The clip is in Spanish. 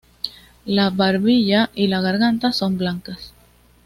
La barbilla y la garganta son blancas.